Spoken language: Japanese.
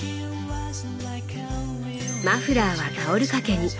マフラーはタオル掛けに。